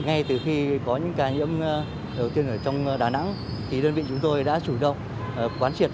ngay từ khi có những ca nhiễm đầu tiên ở trong đà nẵng thì đơn vị chúng tôi đã chủ động quán triệt